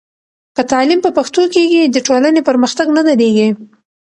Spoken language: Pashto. که تعلیم په پښتو کېږي، د ټولنې پرمختګ نه درېږي.